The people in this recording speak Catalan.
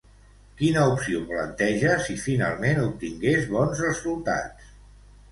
Quina opció planteja si finalment obtingués bons resultats?